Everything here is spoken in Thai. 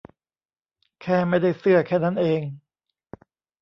แค่ไม่ได้เสื้อแค่นั้นเอง